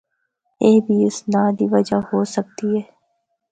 اے بھی اس ناں دی وجہ ہو سکدی ہے۔